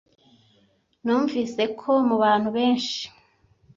Numvise ko mubantu benshi.